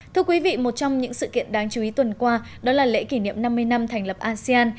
thưa quý vị một trong những sự kiện đáng chú ý tuần qua đó là lễ kỷ niệm năm mươi năm thành lập asean